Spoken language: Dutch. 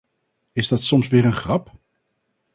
Is dat soms weer een grap?